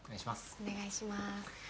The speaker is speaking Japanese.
お願いします。